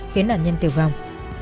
khiến nạn nhân tử vong